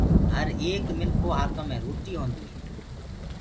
هر ايڪ منکِو هآتو مي روٽي هوندي هي